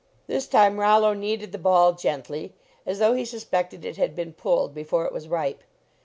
This time Rollo kneaded the ball gently, as though he suspected it had been pulled be fore it was ripe.